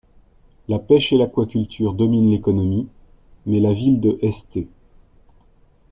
La pêche et l'aquaculture dominent l'économie, mais la ville de St.